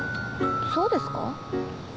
そうですか？